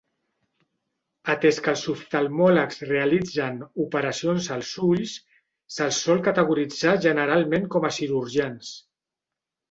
Atès que els oftalmòlegs realitzen operacions als ulls, se'ls sol categoritzar generalment com a cirurgians.